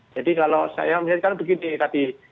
jadi kalau saya menyatakan begini tadi